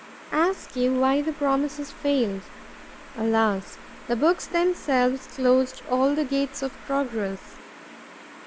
Ask you why the promises failed? Alas! the books themselves closed all the gates of progress.